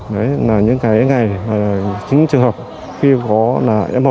đấy là những cái ngày chính trường hợp khi có là f một